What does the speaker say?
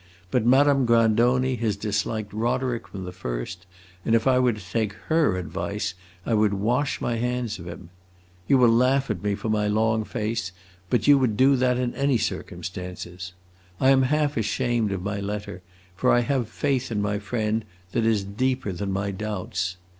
But Madame Grandoni has disliked Roderick from the first, and if I were to take her advice I would wash my hands of him. You will laugh at me for my long face, but you would do that in any circumstances. I am half ashamed of my letter, for I have a faith in my friend that is deeper than my doubts.